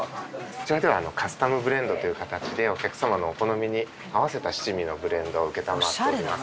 こちらではカスタムブレンドという形でお客様のお好みに合わせた七味のブレンドを承っております。